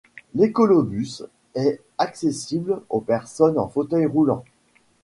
L'Écolobus est accessible aux personnes en fauteuil roulant.